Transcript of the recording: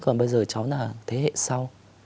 còn bây giờ cháu là thế hệ sau